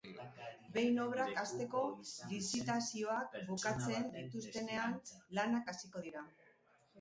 Behin obrak hasteko lizitazioak bukatzen dituztenean, lanak hasiko dira.